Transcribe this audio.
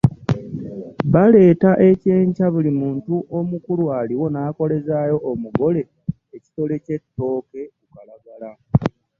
Baleeta ekyenkya buli muntu omukulu aliwo n’akolezaayo omugole ekitole ky’ettooke ku kalagala.